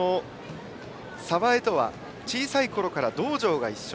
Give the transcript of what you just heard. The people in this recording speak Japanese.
澤江とは、小さいころから道場が一緒。